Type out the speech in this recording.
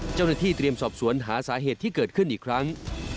เจ้าหน้าที่เตรียมสอบสวนหาสาเหตุที่เกิดขึ้นอีกครั้ง